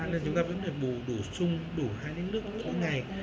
nên chúng ta vẫn phải bù đủ sung đủ hai lít nước mỗi ngày